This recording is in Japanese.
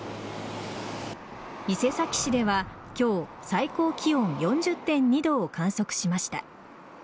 伊勢崎市では今日最高気温４０．２度を観測しました。